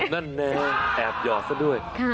นั่นเองแอบหยอดซะด้วย